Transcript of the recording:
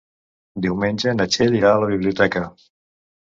Diumenge na Txell irà a la biblioteca.